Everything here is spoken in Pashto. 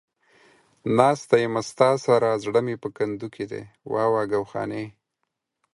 ناسته يمه ستا سره ، زړه مې په کندو کې دى ، واوا گوخانې.